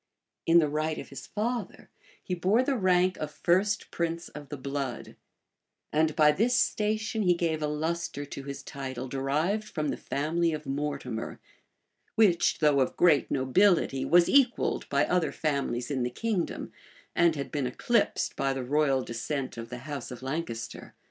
[*] In the right of his father, he bore the rank of first prince of the blood; and by this station he gave a lustre to his title derived from the family of Mortimer, which, though of great nobility, was equalled by other families in the kingdom, and had been eclipsed by the royal descent of the house of Lancaster.